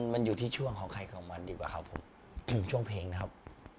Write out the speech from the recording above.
มันอยู่ที่ช่วงของใครของมันดีกว่าครับผมถึงช่วงเพลงนะครับ